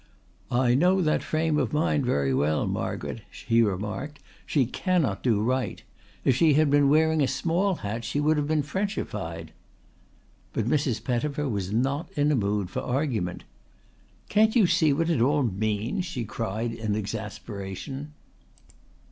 "I know that frame of mind very well, Margaret," he remarked. "She cannot do right. If she had been wearing a small hat she would have been Frenchified." But Mrs. Pettifer was not in a mood for argument. "Can't you see what it all means?" she cried in exasperation.